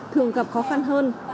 thường gặp khó khăn hơn